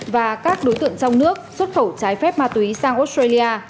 và các đối tượng trong nước xuất khẩu trái phép ma túy sang australia